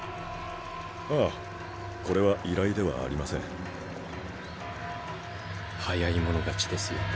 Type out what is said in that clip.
あっこれは依頼ではありません早い者勝ちですよ